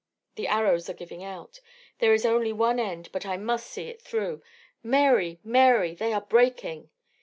"The arrows are giving out. There is only one end. But I must see it through. Mary! Mary! They are breaking."